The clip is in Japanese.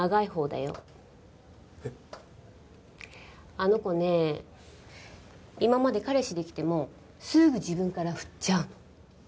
あの子ね今まで彼氏できてもすぐ自分からフッちゃうの。